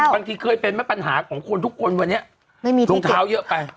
คุณทำที่เคยเป็นไหมปัญหาของคุณทุกคนวันเนี้ย